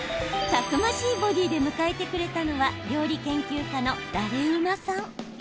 たくましいボディーで迎えてくれたのは、料理研究家のだれウマさん。